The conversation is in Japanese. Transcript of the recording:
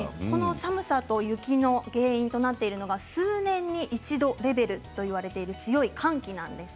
寒さと雪の原因は数年に一度レベルといわれている強い寒気なんです。